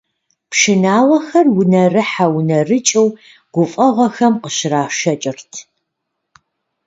Пшынауэхэр унэрыхьэ-унэрыкӀыу гуфӀэгъуэхэм къыщрашэкӀырт.